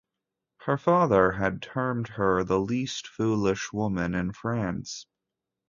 Her father had termed her "the least foolish woman in France".